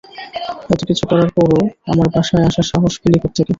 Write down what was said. এত কিছু করার পরও আমার বাসায় আসার সাহস পেলি কোথ্থেকে?